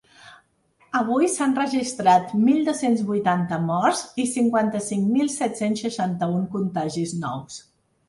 Avui s’han registrat mil dos-cents vuitanta morts i cinquanta-cinc mil set-cents seixanta-un contagis nous.